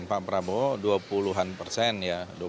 pak prabowo dua puluh an persen ya